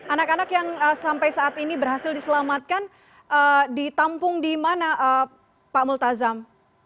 anak anak yang sampai saat ini berhasil diselamatkan ditampung di mana pak multazam